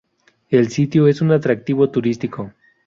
El sitio es un atractivo turístico.